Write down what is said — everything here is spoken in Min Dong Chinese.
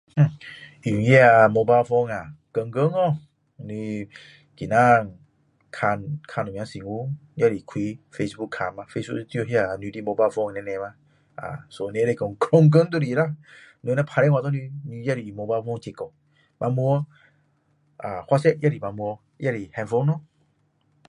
用那 mobile phone 啊天天哦你今天看看什么新闻也是开 facebook 看嘛 facebook 就那你 mobile phone 那边啊 so 你可以说一整天都是啦我若打电话给你你也是用 mobile phone 接哦晚上啊 WhatsApp 也是晚上也是 handphone 咯